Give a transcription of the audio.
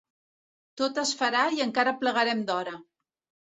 Tot es farà i encara plegarem d'hora.